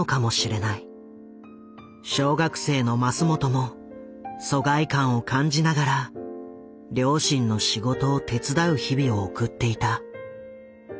小学生のマスモトも疎外感を感じながら両親の仕事を手伝う日々を送っていた。